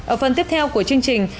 ở phần tiếp theo của chương trình